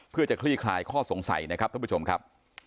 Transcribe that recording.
เพื่อจะคลี่คลายข้อสงสัยนะครับท่านผู้ชมครับ